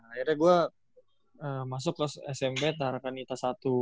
akhirnya gue masuk ke smp tarkanita satu